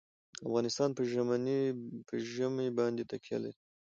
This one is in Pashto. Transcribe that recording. افغانستان په ژمی باندې تکیه لري.